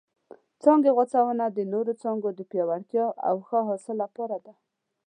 څانګې غوڅونه د نورو څانګو د پیاوړتیا او ښه حاصل لپاره ده.